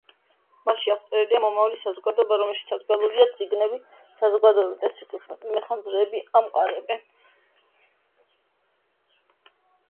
მასში აღწერილია მომავლის საზოგადოება, რომელშიც აკრძალულია წიგნები, საზოგადოებრივ წესრიგს კი მეხანძრეები ამყარებენ.